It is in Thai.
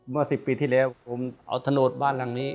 เมื่อ๑๐ปีที่แล้วผมเอาถนนบ้านหลังนี้